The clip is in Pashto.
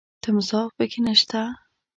تمساح پکې نه شته .